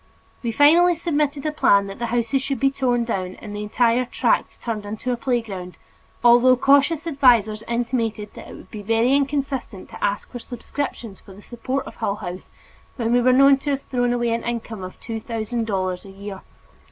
We finally submitted a plan that the houses should be torn down and the entire tract turned into a playground, although cautious advisers intimated that it would be very inconsistent to ask for subscriptions for the support of Hull House when we were known to have thrown away an income of two thousand dollars a year.